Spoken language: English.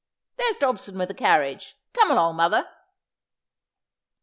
There's Dobson with the carriage. Come along, mother.'